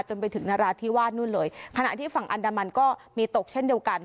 จนถึงนราธิวาสนู่นเลยขณะที่ฝั่งอันดามันก็มีตกเช่นเดียวกัน